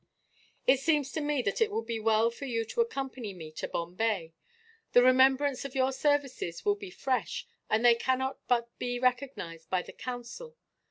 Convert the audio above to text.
"It seems to me that it would be well for you to accompany me to Bombay. The remembrance of your services will be fresh, and they cannot but be recognized by the Council.